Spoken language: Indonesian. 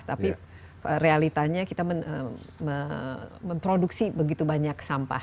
tapi realitanya kita memproduksi begitu banyak sampah